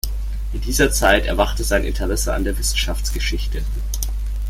In dieser Zeit erwachte sein Interesse an der Wissenschaftsgeschichte.